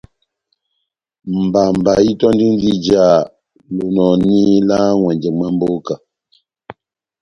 Mbamba itöndindi ijá lonòni lá n'ŋwɛnjɛ mwa mboka.